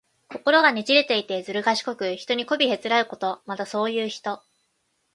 心がねじくれていて、ずるがしこく、人にこびへつらうこと。また、そういう人。